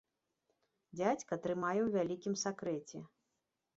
Дзядзька трымае ў вялікім сакрэце.